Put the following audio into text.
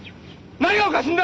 何がおかしいんだ！